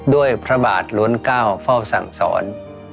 พระบาทล้วนเก้าเฝ้าสั่งสอน